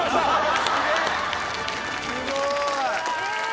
すごい！